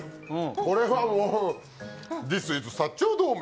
これはもうディス・イズ・薩長同盟。